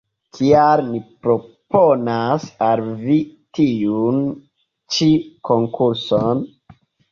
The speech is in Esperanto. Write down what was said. Kial ni proponas al vi tiun ĉi konkurson?